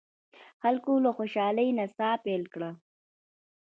خلکو له خوشالۍ نڅا پیل کړه.